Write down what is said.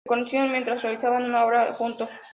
Se conocieron mientras realizaban una obra juntos.